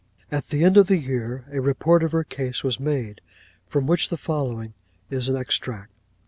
'At the end of the year a report of her case was made, from which the following is an extract.